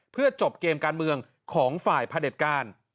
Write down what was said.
เพื่อจบเกมการเมืองของฝ่ายพระเด็จการ